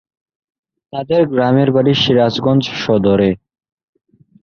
তাঁদের গ্রামের বাড়ি সিরাজগঞ্জ সদরে।